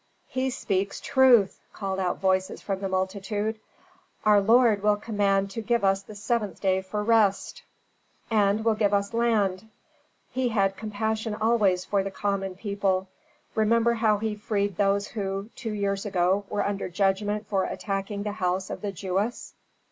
"He speaks truth!" called out voices from the multitude. "Our lord will command to give us the seventh day for rest." "And will give us land." "He had compassion always for the common people. Remember how he freed those who, two years ago, were under judgment for attacking the house of the Jewess."